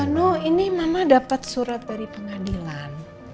no ini mama dapat surat dari pengadilan